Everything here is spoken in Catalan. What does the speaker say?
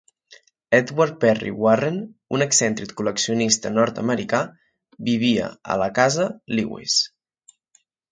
Edward Perry Warren, un excèntric col·leccionista nord-americà, vivia a la casa Lewes.